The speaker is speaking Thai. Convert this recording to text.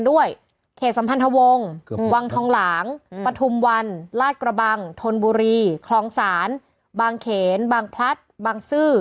วังทองหลังปฐุมวันราดกระบังธนบุรีคลองสารบางเขนบางพลัตรบางซื้อ